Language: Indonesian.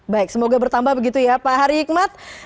baik semoga bertambah begitu ya pak hari hikmat